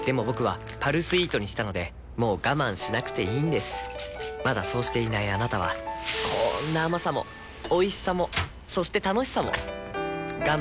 僕は「パルスイート」にしたのでもう我慢しなくていいんですまだそうしていないあなたはこんな甘さもおいしさもそして楽しさもあちっ。